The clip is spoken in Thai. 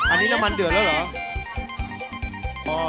อันนี้น้ำมันเดือดแล้วเหรอ